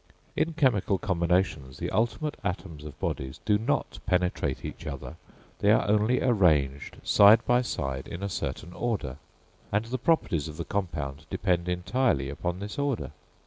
In chemical combinations, the ultimate atoms of bodies do not penetrate each other, they are only arranged side by side in a certain order, and the properties of the compound depend entirely upon this order.